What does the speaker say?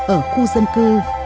ở khu dân cư